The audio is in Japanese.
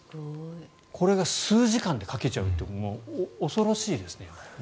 これが数時間で書けちゃうって恐ろしいですね。